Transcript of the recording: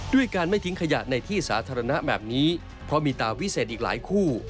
ด้วยการไม่ทิ้งขยะในที่สาธารณะแบบนี้เพราะมีตาวิเศษอีกหลายคู่